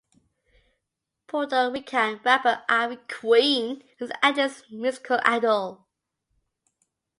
Puerto Rican rapper Ivy Queen is Angeliq’s musical idol.